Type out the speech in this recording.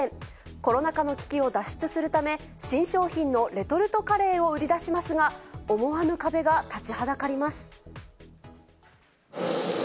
コロナ禍の危機を脱出するため、新商品のレトルトカレーを売り出しますが、思わぬ壁が立ちはだかります。